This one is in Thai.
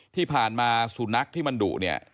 ที่ผ่านมาสุนัขที่มันดุเนี่ย